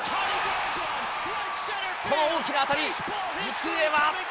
この大きな当たり、行方は？